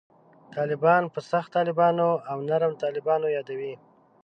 طالبان په «سخت طالبان» او «نرم طالبان» یادوي.